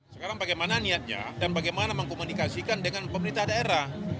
sekarang bagaimana niatnya dan bagaimana mengkomunikasikan dengan pemerintah daerah